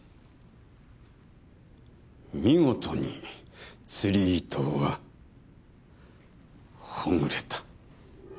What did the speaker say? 見事に釣り糸はほぐれた。